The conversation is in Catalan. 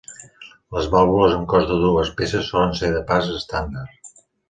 Les vàlvules amb cos de dues peces solen ser de pas estàndard.